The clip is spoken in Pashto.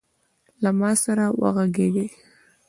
له ما سره وغږیږﺉ .